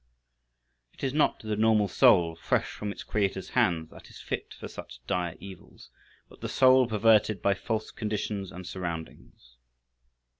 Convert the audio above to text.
"_ It is not the normal soul, fresh from its Creator's hands, that is fit for such dire evils, but the soul perverted by false conditions and surroundings.